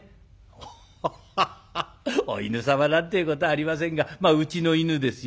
「アッハッハッハッお犬様なんていうことはありませんがまあうちの犬ですよ」。